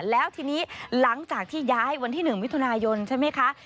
แล้วทีนี้หลังจากที่ย้ายวันที่๑มิถุนายนใช่ไหมคะ